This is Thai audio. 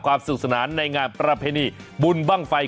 สวัสดีค่ะ